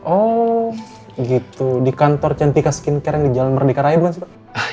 oh gitu di kantor cantika skincare di jalan merdeka raya dulu sih pak